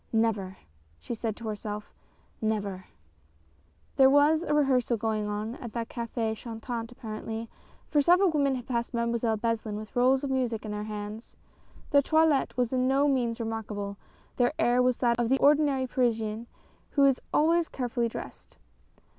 " Never !" she said to herself, " never !" There was a rehearsal going on at the Cafe Chantant apparently, for several women had passed Mademoiselle Beslin with rolls of music in their hands. Their toilette was in no degree remarkable, their air was that of the ordinary Parisian who is always carefully dressed.